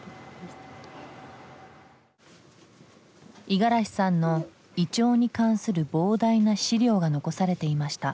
五十嵐さんのイチョウに関する膨大な資料が残されていました。